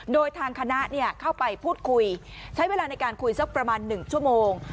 โดยทางคณะเข้าไปพูดคุยใช้เวลาในการคุยสักประมาณ๑ชั่วโมง